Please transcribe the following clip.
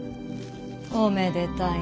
おめでたいねえ。